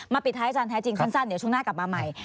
ปิดท้ายอาจารย์แท้จริงสั้นเดี๋ยวช่วงหน้ากลับมาใหม่